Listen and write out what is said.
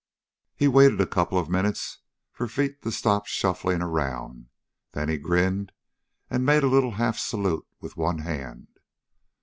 He waited a couple of minutes for feet to stop shuffling around. Then he grinned and made a little half salute with one hand.